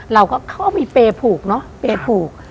เขาก็เขาก็มีเปรย์ผูกเนอะเปย์ผูก